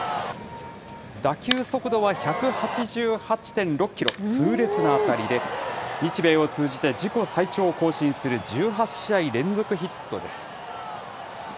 打球速度は１８８．６キロ、痛烈な当たりで、日米を通じて自己最長を更新する１８試合連続ヒットです。